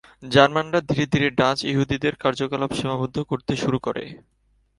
জার্মানরা ধীরে ধীরে ডাচ ইহুদিদের কার্যকলাপ সীমাবদ্ধ করতে শুরু করে।